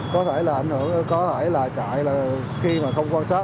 có thể là ảnh hưởng có thể là chạy là khi mà không quan sát